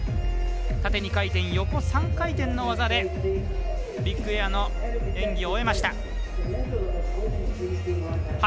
縦２回転、横３回転の技でビッグエアの演技を終えました。